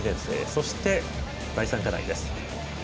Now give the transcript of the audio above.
そして、第３課題です。